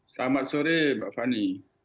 selamat sore mbak fani